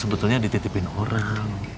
sebetulnya dititipin orang